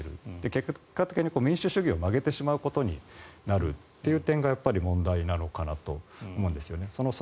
結果的に民主主義を曲げてしまうことになる点が問題なのかなと思うんです。